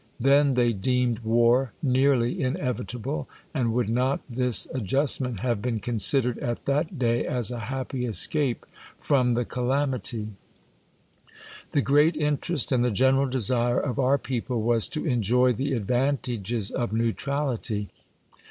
Then they deemed ^var nearly inevitable and would not this adjustment have been considered a t hat day as a happy escape from the calamity? I THE COLUMBIAN ORATOR. 233 / The great interest and the general desire of our peo ple was to enjoy the advantages of neutrality.